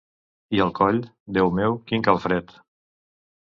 I el coll, Déu meu, quin calfred!